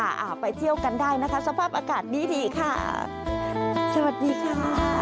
อ่าไปเที่ยวกันได้นะคะสภาพอากาศดีดีค่ะสวัสดีค่ะ